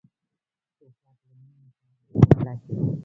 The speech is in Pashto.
توپک له مینې سره مقابله کوي.